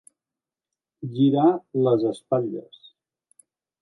Girar les espatlles.